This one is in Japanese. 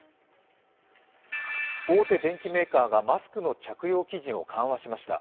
大手電機メーカーがマスクの着用基準を緩和しました。